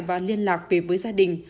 và liên lạc về với gia đình